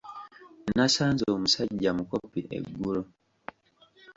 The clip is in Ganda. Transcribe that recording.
Nasanze omusajja mukopi eggulo!